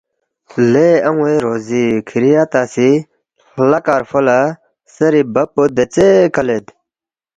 ”لے ان٘وے روزی کِھری اتا سی ہلہ کرفو لہ خسیری بب پو دیژے کلید